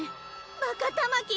バカたまき！